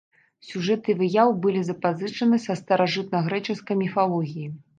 Сюжэты выяў былі запазычаны са старажытнагрэчаскай міфалогіі.